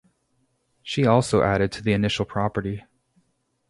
She also added to the initial property.